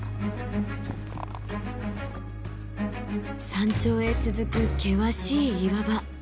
山頂へ続く険しい岩場。